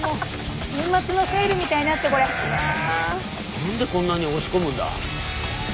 何でこんなに押し込むんだ？